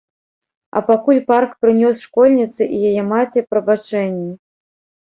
А пакуль парк прынёс школьніцы і яе маці прабачэнні.